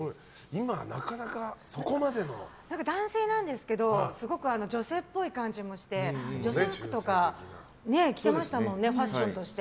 男性なんですけどすごく女性っぽい感じもして女性服とか着てましたもんねファッション誌とかで。